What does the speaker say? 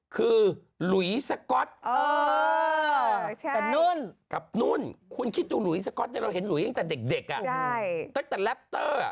คือหลุยสก๊อตกับนุ่นคุณคิดถึงหลุยสก๊อตเนี่ยเราเห็นหลุยตั้งแต่เด็กอ่ะตั้งแต่แรปเตอร์